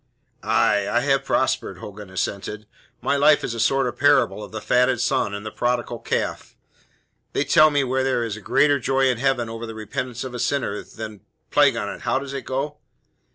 "Aye, I have prospered," Hogan assented. "My life is a sort of parable of the fatted son and the prodigal calf. They tell me there is greater joy in heaven over the repentance of a sinner than than Plague on it! How does it go?"